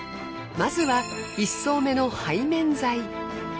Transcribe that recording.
まずは１層目の背面剤。